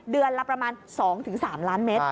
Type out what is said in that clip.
เดือนละประมาณ๒๓ล้านเมตร